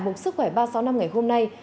mục sức khỏe ba trăm sáu mươi năm ngày hôm nay